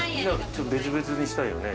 別々にしたいよね。